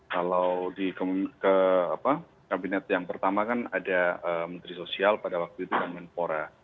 kalau ke kabinet yang pertama kan ada menteri sosial pada waktu itu yang menpora